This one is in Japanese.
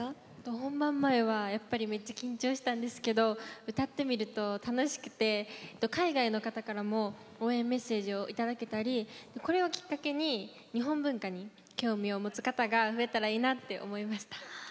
本番前はめっちゃ緊張したんですけど歌ってみると楽しくて海外の方からも応援メッセージをいただけたりこれをきっかけに日本文化に興味を持つ方が増えたらいいなと思いました。